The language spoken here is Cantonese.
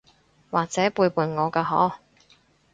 或者背叛我㗎嗬？